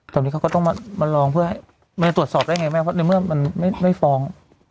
ตอนนี้เขาก็ต้องมาลองเพื่อให้มันจะตรวจสอบได้ไงแม่เพราะในเมื่อมันไม่ฟ้อง